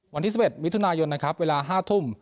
วันที่สิบเอ็ดมิถุนายนนะครับเวลาห้าทุ่ม